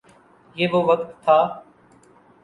یہ وہ وقت تھا۔